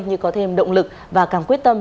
như có thêm động lực và càng quyết tâm